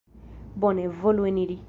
Bone, volu eniri.